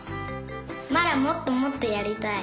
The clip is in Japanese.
まだもっともっとやりたい！